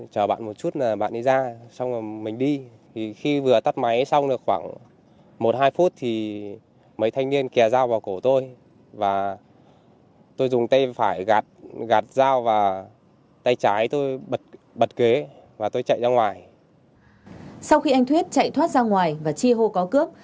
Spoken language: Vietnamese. sau khi anh thuyết chạy thoát ra ngoài và chi hô có cướp